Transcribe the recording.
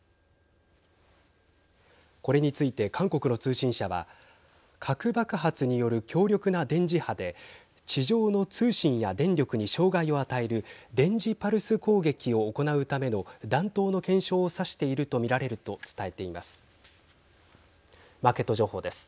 これについて韓国の通信社は核爆発による強力な電磁波で地上の通信や電力に障害を与える電磁パルス攻撃を行うための弾頭の検証を指していると見られると伝えています。